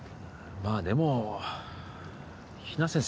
まあでも比奈先生